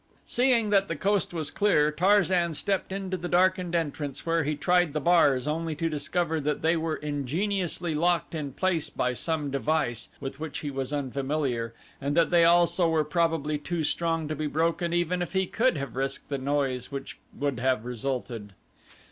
Seeing that the coast was clear, Tarzan stepped into the darkened entrance where he tried the bars only to discover that they were ingeniously locked in place by some device with which he was unfamiliar and that they also were probably too strong to be broken even if he could have risked the noise which would have resulted.